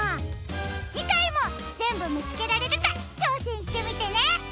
じかいもぜんぶみつけられるかちょうせんしてみてね！